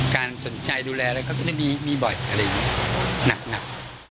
การสนใจดูแลแล้วก็จะมีมีบ่อยอะไรอย่างนี้หนักหนัก